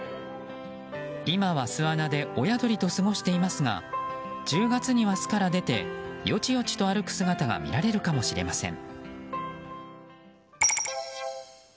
今は、巣穴で親鳥と過ごしていますが１０月には巣から出てよちよちと歩く姿が見られるかもしれません。